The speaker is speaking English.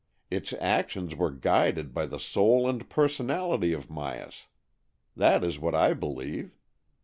Its actions were guided by the soul and personality of Myas. That is what I believe.